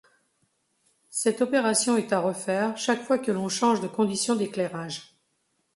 Cette opération est à refaire chaque fois que l'on change de conditions d'éclairage.